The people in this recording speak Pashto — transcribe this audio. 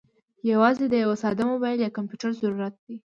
یوازې د یوه ساده موبايل یا کمپیوټر ضرورت دی.